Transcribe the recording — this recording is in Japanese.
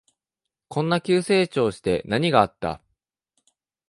こんな急成長して何があった？